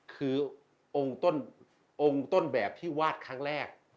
คือองค์ต้นแบบที่วาดครั้งแรก